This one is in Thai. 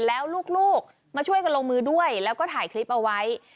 แล้วลูกมาช่วยกันลงมือด้วยแล้วก็ถ่ายคลิปเอาไว้